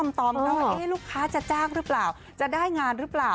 ว่าลูกค้าจะจ้างหรือเปล่าจะได้งานหรือเปล่า